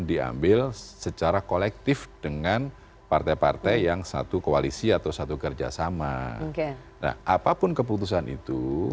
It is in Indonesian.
diambil secara kolektif dengan partai partai yang satu koalisi atau satu kerjasama apapun keputusan itu